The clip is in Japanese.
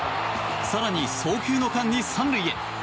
更に、送球の間に３塁へ。